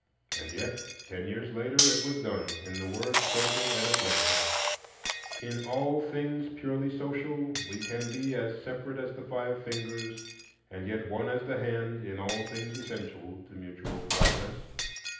And yet ten years later it was done in the word spoken at Atlanta: "In all things purely social we can be as separate as the five fingers, and yet one as the hand in all things essential to mutual progress."